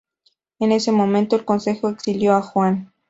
En ese momento, el Consejo exilió a Juan.